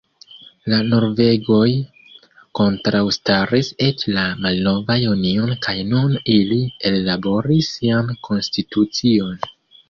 La norvegoj kontraŭstaris eĉ la malnovan union kaj nun ili ellaboris sian konstitucion.